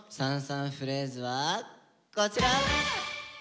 フレーズはこちら。